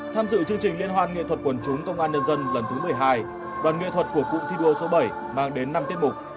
tham dự chương trình liên hoan nghệ thuật quần chúng công an nhân dân lần thứ một mươi hai đoàn nghệ thuật của cụm thi đua số bảy mang đến năm tiết mục